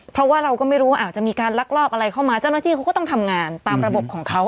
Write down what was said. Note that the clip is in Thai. เพราะว่าเราก็ไม่รู้ว่าอาจจะมีการลักลอบอะไรเข้ามาเจ้าหน้าที่เขาก็ต้องทำงานตามระบบของเขา